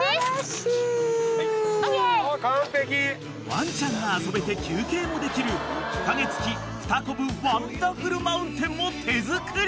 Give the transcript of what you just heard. ［ワンちゃんが遊べて休憩もできる日陰付きふたこぶワンダフルマウンテンも手作り］